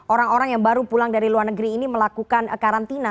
orang orang yang baru pulang dari luar negeri ini melakukan karantina